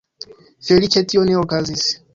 Feliĉe tio ne okazis.